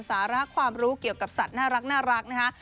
สาระความรู้เกี่ยวกับสัตว์น่ารักนะคะ